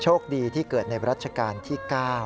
โชคดีที่เกิดในรัชกาลที่๙